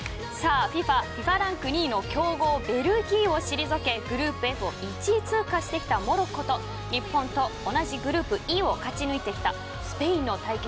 ＦＩＦＡランク２位の強豪・ベルギーを退けグループＦを１位通過してきたモロッコと日本と同じグループＥを勝ち抜いてきたスペインの対決。